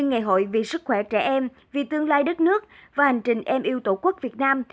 ngày hội vì sức khỏe trẻ em vì tương lai đất nước và hành trình em yêu tổ quốc việt nam